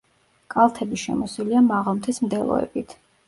კალთები შემოსილია მაღალმთის მდელოებით.